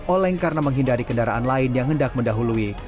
oleng karena menghindari kendaraan lain yang hendak mendahului